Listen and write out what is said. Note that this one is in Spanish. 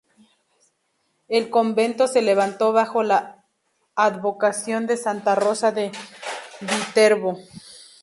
El convento se levantó bajo la advocación de Santa Rosa de Viterbo.